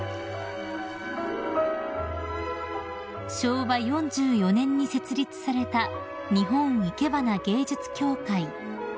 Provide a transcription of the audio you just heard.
［昭和４４年に設立された日本いけばな芸術協会］